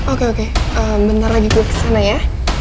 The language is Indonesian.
oke oke bentar lagi gue kesana ya